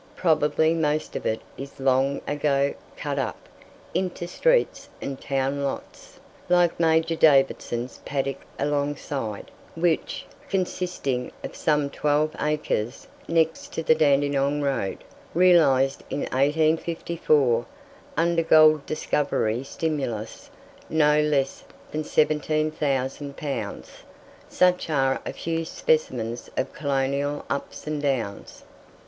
Probably most of it is long ago "cut up" into streets and town lots, like "Major Davidson's paddock" alongside, which, consisting of some twelve acres next the Dandenong road, realized in 1854, under gold discovery stimulus, no less than 17,000 pounds. Such are a few specimens of colonial ups and downs!